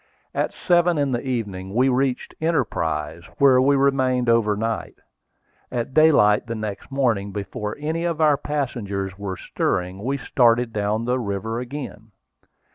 At seven in the evening we reached Enterprise, where we remained overnight. At daylight the next morning, before any of our passengers were stirring, we started down the river again.